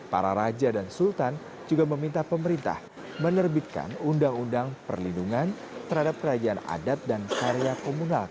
para raja dan sultan juga meminta pemerintah menerbitkan undang undang perlindungan terhadap kerajaan adat dan karya komunal